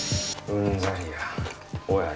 うんざりや。